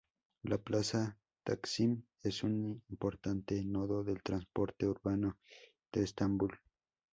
La Plaza Taksim es un importante nodo del transporte urbano de Estambul.